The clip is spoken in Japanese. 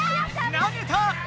投げた！